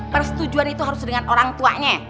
persetujuan itu harus dengan orangtuanya